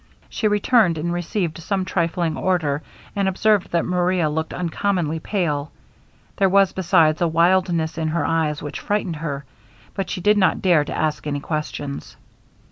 She returned, and received some trifling order, and observed that Maria looked uncommonly pale; there was besides a wildness in her eyes which frightened her, but she did not dare to ask any questions.